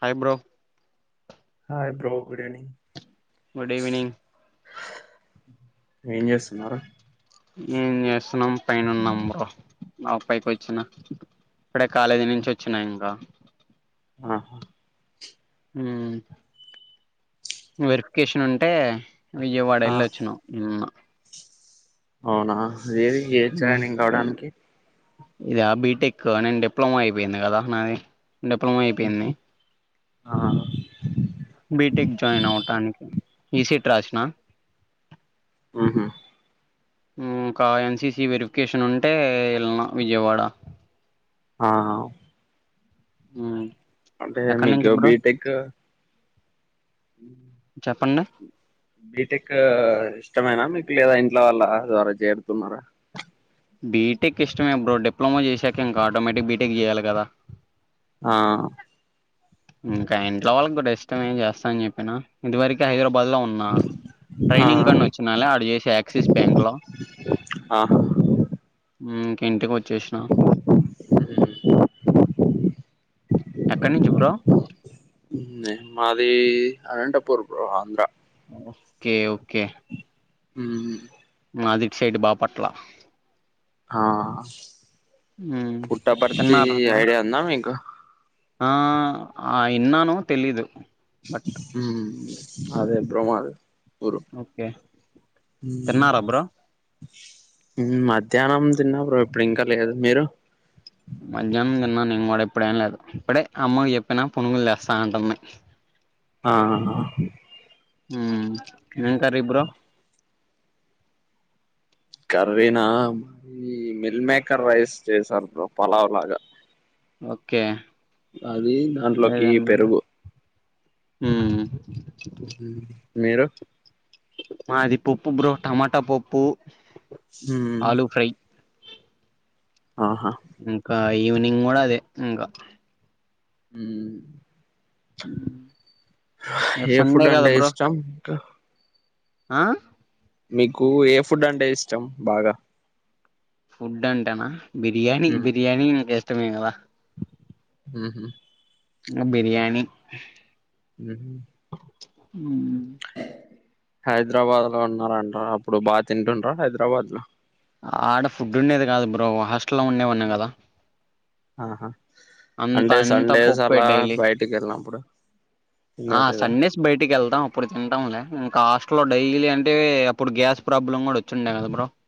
Hi bro hi bro good evening good evening ఏం చేస్తున్నారు ఏం చేస్తున్నాం పైన ఉన్నాం బ్రో మా పైకి ఒచ్చినా ఇప్పుడే కాలేజీ నుంచి వచ్చినా ఇంకా ఆహా హ్మ్ వెరిఫికేషన్ ఉంటే విజయవాడ వెళ్ళి వచ్చిన అమ్మ అవునా వేరి ఏ జాయినింగ్ అవ్వడానికి ఇదా బీటెక్ నేను డిప్లమా అయిపోయింది కదా నాది డిప్లమా అయిపోయింది ఆ బీటెక్ జాయిన్ అవటానికి ఈసీట్ రాసిన ఆహా ఉమ్ కా ఎన్సిసి వెరిఫికేషన్ ఉంటే ఎళ్ళిన విజయవాడ ఆహా వ్ ఉమ్ అంటే మీకు బీటెక్ చెప్పండి బీటెక్ ఇష్టమైనా మీకు లేదా ఇంట్లో వాళ్ళ ద్వారా చేరుతున్నారా బీటెక్ ఇష్టమే బ్రో డిప్లొమా చేశాక ఇంకా ఆటోమేటిక్ బీటెక్ చేయాలే కదా ఆ ఇంకా ఇంట్లో వాళ్ళకి కూడా ఇష్టమే నేను చేస్తా అని చెప్పినా ఇదివరకు హైదరాబాద్ లో ఉన్ మా ఆ ట్రైనింగ్ కని ఒచ్చినలే ఆడు చేసే యాక్సిస్ బ్యాంక్ లో ఆహా ఉమ్ కింటికి ఒచ్చేసినా ఎక్కడ్ నుంచి బ్రో మాది అనంటపూర్ బ్రో ఆంధ్ర కే ఓకే హు మాదిగ్ షేడ్ బాపట్ల ఆ మ్మ్. పుట్టపర్తి తిన్నారా బ్రో ఐడియా ఉందా మీకు ఆ ఆ ఇన్నాను తెలీదు బట్ హ్మ్ అదే బ్రోమ్ అదె ఓకే తిన్నారా బ్రో హ్మ్ మధ్యాహ్నం తిన్న బ్రో ఇప్పుడు ఇంకా లేదు మీరు మధ్యాహ్నం తిన్నా నేన్ గూడా ఇప్పుడేం లేదు ఇప్పుడే అమ్మక్ చెప్పినా పునుగులు చేస్తా అంటుంది ఆహా హ్మ్ ఏం కర్రీ బ్రో కర్రీనా ఇ మిల్ మేకర్ రైస్ చేసారు బ్రో పలావ్ లాగా ఓకే అది దాంట్లోకి పెరుగు హ్మ్ మీరు మాది పొప్పు బ్రో టమాటా పప్పు హ్మ్ ఆలూ ఫ్రై ఆహా ఇంకా ఈవినింగ్ కూడా అదే ఇంకా హ్మ్ అ ఏ ఫుడ్ అంటే ఇష్టం ఇంకా ఆ మీకు ఏ ఫుడ్ అంటే ఇష్టం బాగా ఫుడ్ అంటేనా బిర్యానీ మ్మ్ బిర్యానీకిష్టమే కదా హ్మ్ హు బిర్యాణి మ్మ్ హ్మ్ హైదరాబాద్ లో ఉన్నార అంట్ర అప్పుడు బా తింటుంట్రా హైదరాబాద్ లో ఆడ ఫుడ్ ఉండేది కాదు బ్రో హాస్టల్లో ఉండే వాన్ని కదా ఆహా అంత అంటే అంత సండేస్ పప్పే అలా డైలీ బయటికి యెళ్ళినపుడు ఆ సండేస్ బయటికెళ్తాం అప్పుడు తింటాంలే ఇంకా హాస్ట లో డైలీ అంటే అప్పుడు గ్యాస్ ప్రాబ్లం కూడా వచ్చిండే గదా బ్రో [inaudible]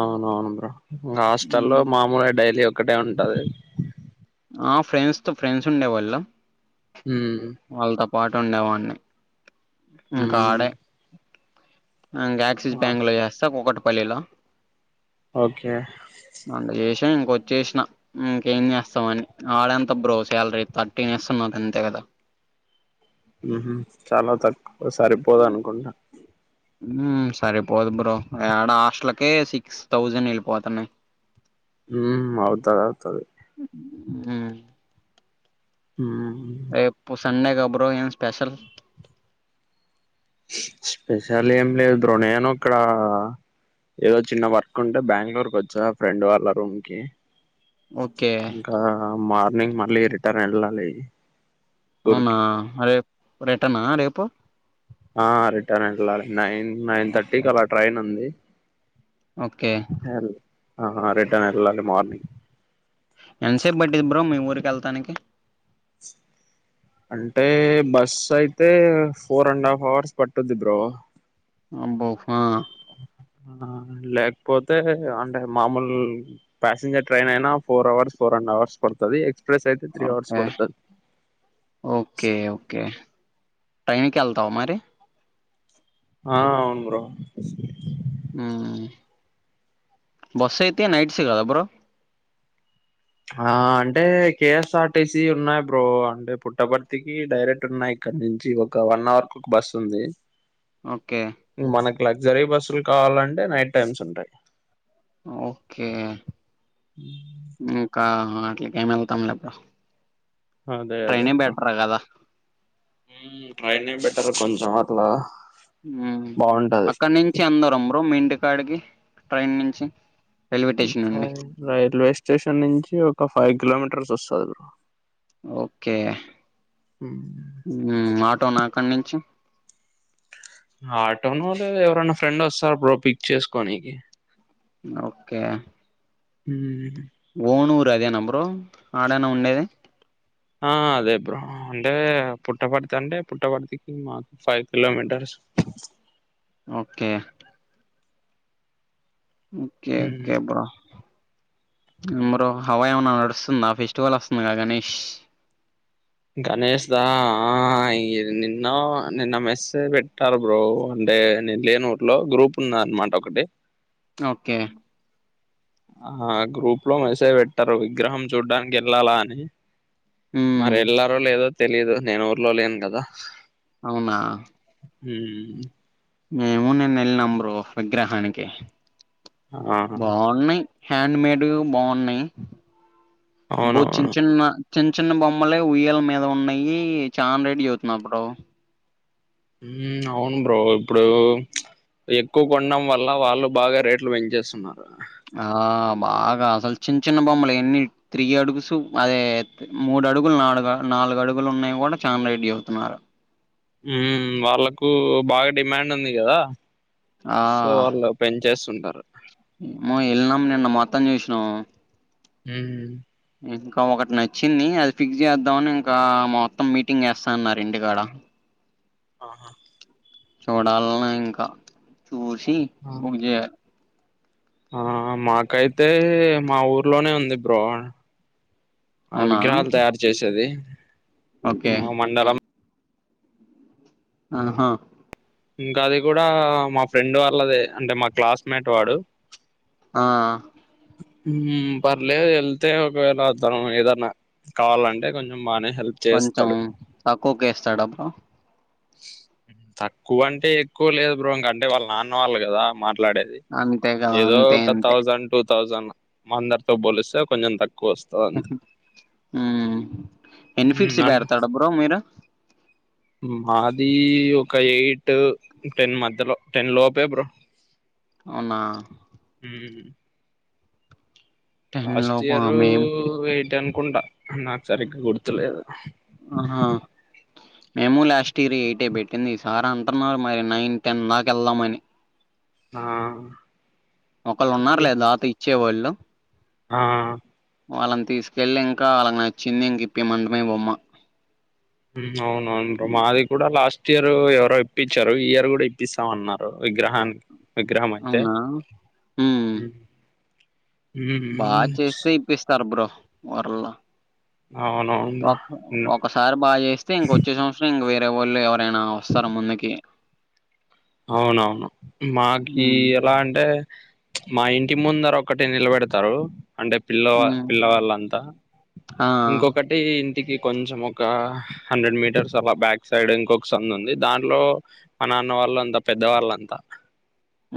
అవునవును బ్రో ఇంకా హాస్టల్లో మామూలు డైలీ ఒకటే ఉంటది ఆ ఫ్రెండ్స్ తో ఫ్రెండ్స్ ఉండేవాళ్ళమ్ హ్మ్ వాళ్ళతో పాటు ఉండేవాన్ని మ్మ్ ఇంకాడే ఇంకా యాక్సిస్ ఆ బ్యాంక్ లో చేస్తా కుకట్పల్లి లో ఓకే మన యెషన్ కొచ్చేసిన ఇంకేం చేస్తామని ఆడెన్త బ్రో శాలరీ థర్టీన్ ఇస్తున్నారు అంతే కదా హుహు చాలా తక్ సరిపోదు అనుకుంటా హ్మ్ సరిపోదు బ్రో యాడ హాస్టలకే సిక్స్ థౌజండ్ యెళ్ళిపోతున్నయ్ హ్మ్ అవుతది అవుతది అ ఉం రేపు సండేగా బ్రో ఏం స్పెషల్ స్పెషల్ ఏం లేదు బ్రో నేను ఒక ఏదో చిన్న వర్క్ ఉంటే బెంగళూరుకు వచ్చా ఫ్రెండ్ వాళ్ళ రూమ్ కి ఓకే ఆ మార్నింగ్ మళ్లీ రిటర్న్ వెళ్ళాలి అవునా ఊరికి రేపు రిటర్న్ రేపు ఆ రిటర్న్ ఎల్లాల్ నైన్ నైన్ థర్టీ ఓకే కి అలా ట్రైన్ ఉంది ఓకే అహా రిటర్న్ ఎల్లాల్ మార్నింగ్ ఎంతసేపు పట్టిది బ్రో మీ ఊరికి వెళ్తానికి అంటే బస్సు అయితే ఫోర్ అండ్ హాఫ్ అవర్స్ పట్టుద్ది బ్రో అబ్బో హా ఆ లేకపోతే అంటే మామూలు ప్యాసింజర్ ట్రైన్ అయినా four hours four and hours పడుతది ఎక్స్ప్రెస్ అయితే త్రీ అవర్స్ ఓకే పడుతది ఓకే ఓకే టైం కి వెళ్తావా మరి ఆ అవును బ్రో బస్సు అయితే నైట్స్ కదా బ్రో ఆ అంటే కేఎస్ఆర్టిసి ఉన్నాయి బ్రో అంటే పుట్టపర్తికి డైరెక్ట్ ఉన్నాయి ఇక్కడ నుంచి ఒక వన్ అవర్ కు బస్సు ఉంది ఓకే మనకు లగ్జరీ బస్సులు కావాలంటే నైట్ టైమ్స్ ఉంటాయి ఓకే ఇంకా అట్లకేం వెళ్తాంలే బ్రో అదే అదే ట్రైన్ బ్రో బెటర్ కదా ట్రైనే బెటర్ కొంచెం అట్లా బాగుంటది అక్కడ నుంచి ఎంత దూరం బ్రో మీ ఇంటి కాడికి ట్రైన్ నుంచి రైల్వే స్టేషన్ నుండి రైల్వే స్టేషన్ నుంచి ఒక ఫైవ్ కిలోమీటర్స్ వస్తది ఓకే హ్మ్ ఉమ్ ఆటో నా అక్కడి నుంచి ఆటోనో లేదా ఎవరైనా ఫ్రెండ్ వస్తారు బ్రో పిక్ చేసుకోనికి ఓకే ఉమ్ ఓనూరు అదేనా బ్రో ఆడేనా ఉండేది ఆ అదే బ్రో అంటే పుట్టపర్తి అంటే పుట్టబడితికి మాకు five kilometres okay okay okay bro మరో హవా ఏమనా నడుస్తుందా ఫెస్టివల్ వస్తుందిగా గణేష్ గణేష్ దా ఆ ఇ నిన్న నిన్న మెస్ పెట్టారు బ్రో అంటే నేను లేను ఊర్లో గ్రూప్ ఉందన్నమాట ఒకటి ఓకే ఆ గ్రూప్ లో మెసేజ్ పెట్టారు విగ్రహం చూడ్డానికి వెళ్లాలా అని మరి మ్మ్ వెళ్లారో లేదో తెలీదు నేను ఊర్లో లేను కదా అవునా ఉమ్ మేము నిన్న వెళ్ళినం బ్రో విగ్రహానికి బాగున్నాయి హ్యాండ్ మేడ్ బాగున్నాయి బో అవునవును చిన్న చిన్న చిన్న చిన్న బొమ్మలే ఉయ్యల మీద ఉన్నాయి చాన రేట్ చెప్తున్నా బ్రో ఉ అవును బ్రో ఇప్పుడు ఎక్కువ కొనడం వల్ల వాళ్లు బాగా రేట్లు పెంచేస్తున్నారు ఆ బాగా అసలు చిన్న చిన్న బొమ్మలు ఎన్ని త్రీ అడుగుసు అదే మూడు అడుగులు నడుగు నాలుగు అడుగులు ఉన్నాయి కూడా చానా రేట్ చేపుతున్నారు ఉమ్ వాళ్ళలకు బాగా డిమాండ్ ఉంది కదా ఆ సో అట్లా పెంచేసుంటారు ఏమో వెళ్ళినాం నిన్న మొత్తం చూసినాము ఉ ఇంకా ఒకటి నచ్చింది అది ఫిక్స్ చేద్దామని ఇంకా మొత్తం మీటింగ్ చేస్తాన్నరు ఇంటికాడ ఆహా చూడాలని ఇంకా చూసి ఆ మాకైతే మా ఊర్లోనే ఉంది బ్రో అవునా విగ్రహాలు తయారు చేసేవి ఓకే ఉమ్ మండపం ఆహా ఇంకా అది కూడా మా ఫ్రెండ్ వాళ్ళదే అంటే మా క్లాస్మేట్ వాడు ఆ పర్లేదు వెళ్తే ఒకవేళ తను ఏదన్నా కావాలంటే కొంచెం బాగానే హెల్ప్ కొంచెం చేస్తాడు తక్కువకే ఇస్తాడు అపుడు తక్కువ అంటే ఎక్కువ లేదు బ్రో అంటే వాళ్ళ నాన్న వాళ్ళు కదా మాట్లాడేది అంతే కదా ఏదో అంతే ఒక అంతే థౌజండ్ టూ థౌజండ్ మా అందరితో పోలిస్తే కొంచెం తక్కువ వస్తుంది హుం ఎన్ని ఉమ్, ఫీట్స్ అంటే పెడతాడు బ్రో మీరు మాది ఒక ఎయిట్ టెన్ మధ్యలో టెన్ లోపే బ్రో అవునా ఉమ్ టెన్ ఫస్ట్ లోపు ఇయరు మేం ఎయిట్ అనుకుంటా నాకు సరిగ్గా గుర్తులేదు ఆహా మేము లాస్ట్ ఇయర్ ఎయిట్ ఏ పెట్టింది ఈ సార్ అంటున్నారు మరి నైన్ టెన్ దాకా వెళ్దామని ఆ ఒకళ్ళు ఉన్నారు లే దాత ఇచ్చేవాళ్ళు ఆ వాళ్ళని తీసుకెళ్లి ఇంకా వాళ్లకి నచ్చింది ఇంక ఇప్పే మంటమే బొమ్మ ఉ అవునును అవును బ్రో మాది చూడల లాస్ట్ ఇయర్ ఎవరో ఇప్పించారు ఈ ఇయర్ కూడా ఇప్పిస్తామన్నారు విగ్రహాన్ని అవునా హుమ్ ఉమ్, బాగా ఉమ్, చేస్తే ఇప్పిస్తారు బ్రో వరు అవును ఒక ఒకసారి బాగా చేస్తే ఇంకొచ్చే సంవత్సరం ఇంక వేరే వాళ్ళు ఎవరైనా వస్తారు ముందుకి అవునవును మాకి ఉమ్ ఎలా అంటే మా ఇంటి ముందర ఒక్కటి నిలబెడతారు అంటే పిల్ల ఉమ్ పిల్లవాళ్ళంతా ఆ ఇంకొకటి అంటే ఇంటికి కొంచెం ఒక హండ్రెడ్ మీటర్స్ అలా బ్యాక్ సైడ్ ఇంకొక సందు ఉంది దాంట్లో మా నాన్న వాళ్లు అంత పెద్దవాళ్ళంతా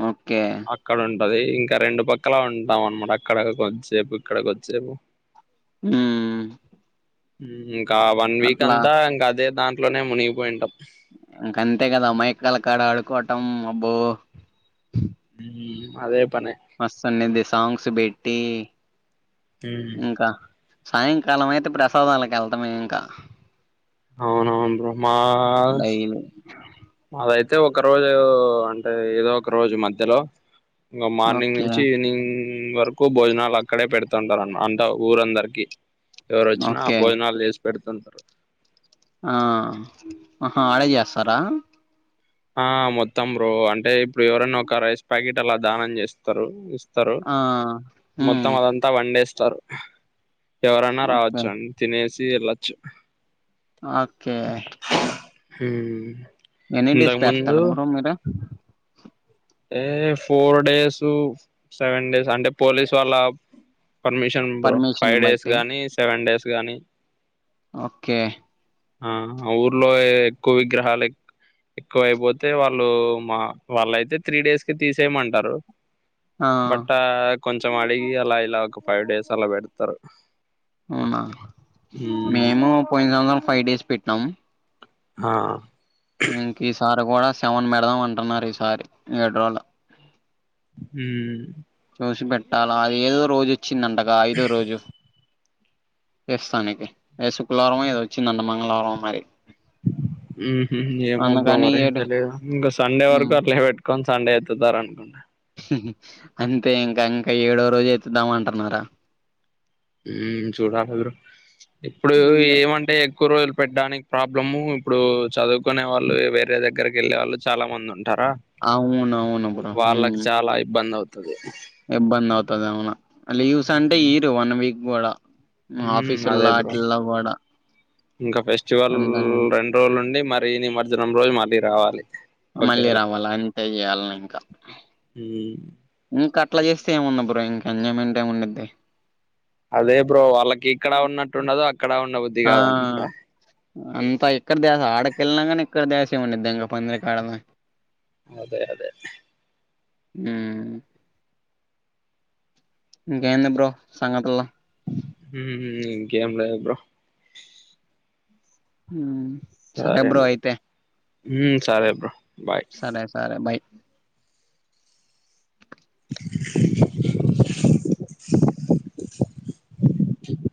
ఓకే అక్కడ ఉంటది. ఇంక రెండు పక్కల ఉంటాం అన్మాట అక్కడ కొద్దిసేపు ఇక్కడ కొద్దిసేపు. ఊ ఇంకా వన్ వీక్ అట్లా అంతా ఇంక అదే దాంట్లోనే మునిగిపోయింటాం. ఇంక అంతే కదా అమాయికల కాడ ఆడుకోటం అబ్బో ఉ అదే పనే మస్తు వున్నిది సాంగ్స్ పెట్టి ఉమ్, ఇంకా సాయంకాలం అయితే ప్రసాదాలకు ఎల్టమే ఇంక. అవునవును బ్రో మాస్ డైలీ మాదైతే ఒక రోజు ఉ అంటే ఏదో ఒక రోజు మధ్యలో ఇంగ మార్నింగ్ ఓకే నుంచి ఈవినింగ్ వరకు భోజనాలు అక్కడే పెడుతుంటారన్ అంట ఊరందరికి. ఎవరు వచ్చినా ఓకే భోజనాలు చేసి పెడుతుంటరు. ఆ ఆహా ఆడే చేస్తరా? ఆ మొత్తం బ్రో అంటే ఇప్పుడు ఎవరైనా ఒక రైస్ ప్యాకెట్ అలా దానం చేస్తరు ఇస్ తరు ఆ హ్మ్ మొత్తం అదం త వండేస్తరు. ఎవరైనా ఓకే రావచ్చు అన్ తినేసి వెళ్ళొచ్చు. ఓకే ఉమ్ ఎన్ని డేస్ పెడతరు బ్రో మీరు? ఏ ఫోర్ డేసు సెవెన్ డేస్ అంటే పోలీస్ వాళ్ళ permission bro permission five days బట్టి గాని సెవెన్ డేస్ గానీ ఓకే ఆ ఆ ఊర్లో ఎక్కువ విగ్రహాలు ఏ ఎక్కువ అయిపోతే వాళ్ళు మా వాళ్ళయితే త్రీ డేస్ కి తీసేయమంటరు. ఆ బట్ ఆ కొంచెం అడిగి అలా ఇలా ఒక ఫైవ్ డేస్ అలా పెడతరు. అవునా మేము పోయిన్ సంవత్సరం ఫైవ్ డేస్ పెట్నం. ఆ ఇంకిసారి కూడా సెవెన్ పెడదాం అంటున్నారు ఈసారి. ఏడ్రోలు ఉ చూసి పెట్టాలా ఏదో రోజు వచ్చిందింటగా ఐదో రోజు వేస్తా నీకి ఏ శుక్లవారమో ఏదోచ్చిదంట మంగళవారమో మరి ఉహు ఏమో బ్రో అందుకని మరి ఏడు తెలిదు. ఇంగ సండే వరకు అట్లే పెట్టుకొని సండే ఎత్తుతారు అనుకుంటా. అంతే ఇంక ఇంకా ఏడో రోజు ఎతుద్దాం అంటున్నారా. ఉ చూడాలి బ్రో. ఇప్పుడు ఏమంటే ఎక్కువ రోజులు పెడ్డానికి ప్రాబ్లము ఇప్పుడు చదువుకునే వాళ్ళు వేరే దగ్గరకి ఎళ్ళే వాళ్ళు చాలా మంది ఉంటారా అవును అవును బ్రో వాళ్ళకి చాలా ఇబ్బంది అవుతది. ఇబ్బంది అవుతది ఏమన్న. మలి లీవ్స్ అంటే ఇయరు వన్ వీక్ కూడ. ఉ ఆఫీసులా అటీల కూడ ఇంక ఫెస్టివల్ రెండు రోజులుండి మరి నిమర్జనం రోజు మళ్ళీ రావాలి. మళ్ళీ ఓకేలా రావాలి అంటే ఇయల్న ఇంకా ఉ ఇంక అట్ల చేస్తే ఏముంది బ్రో, ఇంక ఎంజాయ్మెంట్ ఏమి ఉండిద్ది. అదే బ్రో వాళ్ళకి ఇక్కడ ఉన్నట్టు ఉండదు, అక్కడ ఉండ ఆ ఇంకా ఇక్కడ దాకా ఆడకెళ్ళిన కానీ ఇక్కడ దాసామండి దంగ పందిరికాడనా అదే అదే హ్మ్ ఇంకేంది బ్రో సంగతులు హ్మ్ ఇంకేం లేవు బ్రో హ్మ్ సరే బ్రో అయితే మ్మ్ సరే బ్రో బాయ్ సరే సరే బై హామ్ [unintelligible]